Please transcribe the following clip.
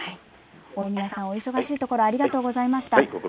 大宮さん、お忙しいところありがとうございました。